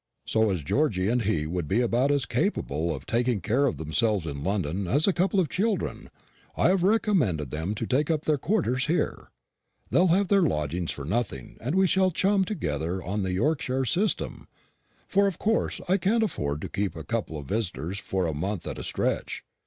So, as Georgy and he would be about as capable of taking care of themselves in London as a couple of children, I have recommended them to take up their quarters here. They'll have their lodgings for nothing, and we shall chum together on the Yorkshire system; for of course I can't afford to keep a couple of visitors for a month at a stretch.